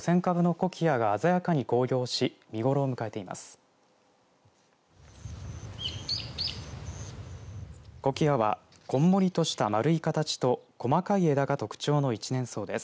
コキアはこんもりとした丸い形と細かい枝が特徴の一年草です。